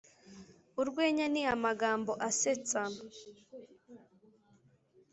Urwenya ni amagambo asetsa